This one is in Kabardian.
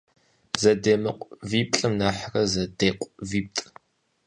Зэдемыкъу виплӀым нэхърэ, зэдекъу витӀ.